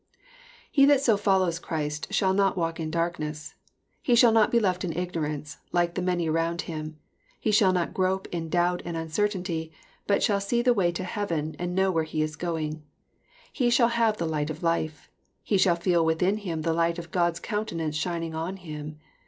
He that so follows Christ shall ^^ not walk in darkness." He shall not be left in ignorance, like the many aroand him. He shall not grope in doubt and uncertainty, but shall see the way to heaven, and know where he is going. — He '' shall have the light of life." He shall feel within him the light of God's countenance shining on him.